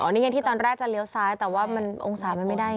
นี่ไงที่ตอนแรกจะเลี้ยวซ้ายแต่ว่าองศาไม่ได้